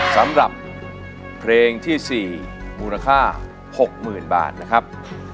สำหรับเพลงที่สี่มูลค่าหกหมื่นบาทนะครับ